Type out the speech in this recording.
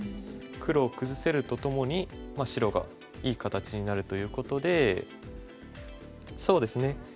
黒を崩せるとともに白がいい形になるということでそうですね